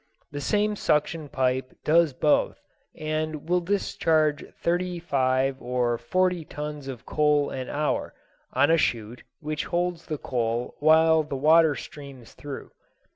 The same suction pipe does both, and will discharge thirty five or forty tons of coal an hour, on a chute which holds the coal while the water streams through.